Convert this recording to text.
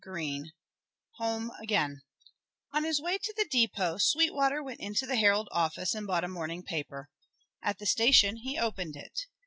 XXIX HOME AGAIN On his way to the depot, Sweetwater went into the Herald office and bought a morning paper. At the station he opened it.